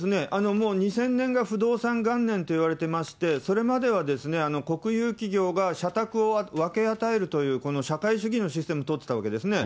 もう２０００年が不動産元年といわれていまして、それまでは国有企業が社宅を分け与えるという、この社会主義のシステムを取っていたわけですよね。